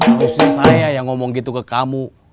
harusnya saya yang ngomong gitu ke kamu